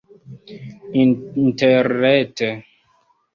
interrete